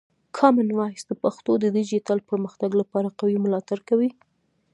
کامن وایس د پښتو د ډیجیټل پرمختګ لپاره قوي ملاتړ کوي.